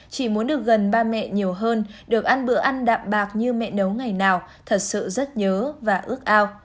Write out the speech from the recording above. chỉ muốn được gần ba mẹ nhiều hơn được ăn bữa ăn đạm bạc như mẹ nấu ngày nào thật sự rất nhớ và ước ao